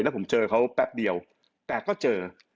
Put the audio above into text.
แล้วผมเจอเขาแป๊บเดียวแต่ก็เจอ